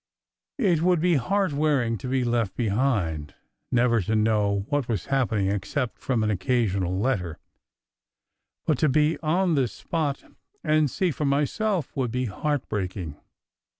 It would be heartwearing to be left behind, never to know what was happening ex cept from an occasional letter; but to be on the spot and 60 SECRET HISTORY see for myself would be heartbreaking.